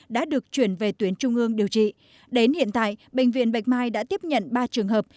đã được chuyển về tuyến trung ương điều trị đến hiện tại bệnh viện bạch mai đã tiếp nhận ba trường hợp